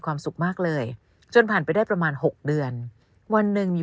ความสุขมากเลยจนผ่านไปได้ประมาณหกเดือนวันหนึ่งมี